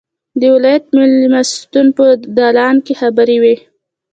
د ولایت مېلمستون په دالان کې خبرې وې.